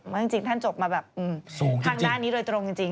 ว่าจริงท่านจบมาแบบทางด้านนี้โดยตรงจริง